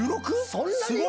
そんなに？